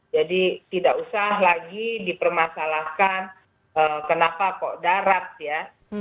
jadi tidak usah lagi dipermasalahkan kenapa kok darat ya